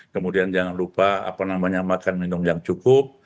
kemudian jangan lupa apa namanya makan minum yang cukup